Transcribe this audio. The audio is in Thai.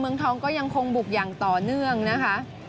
เมืองทองก็ยังคงบุกอย่างต่อเนื่องนะคะ